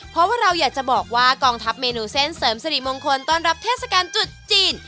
เพราะว่าเราอยากจะบอกว่ากองทัพเมนูเส้นเสริมสิริมงคลต้อนรับเทศกาลจุดจีน